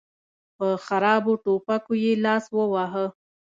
په خرابو ټوپکو یې لاس وواهه.